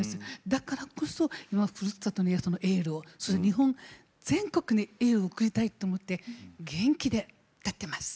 だからこそ今ふるさとにエールをそして日本全国にエールを送りたいと思って元気で歌ってます。